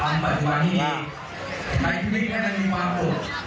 ความปัจจุบันที่ไหมที่นี่ก็จะมีความปลูก